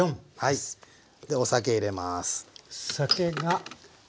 お酒入れます。